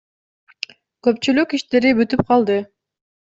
Көпчүлүк иштери бүтүп калды.